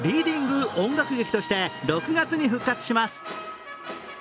歌あり、ダンスありのリーディング音楽劇として６月に復活します。